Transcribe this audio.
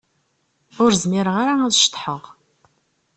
Ur zmireɣ ara ad ceḍḥeɣ.